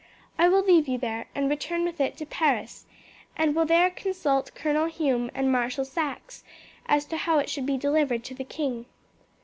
I will leave you there and return with it to Paris, and will there consult Colonel Hume and Marshal Saxe as to how it should be delivered to the king."